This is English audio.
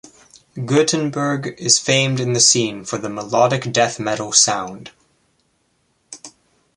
Gothenburg is famed in the scene for the "melodic death metal" sound.